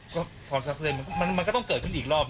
ก็พอสักเรื่องมันก็ต้องเกิดขึ้นอีกรอบ